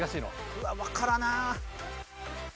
うわっわからな。